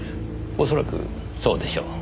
恐らくそうでしょう。